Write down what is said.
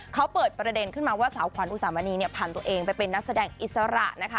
เขาเปิดประเด็นขึ้นมาว่าสาวขวัญอุสามณีเนี่ยผ่านตัวเองไปเป็นนักแสดงอิสระนะคะ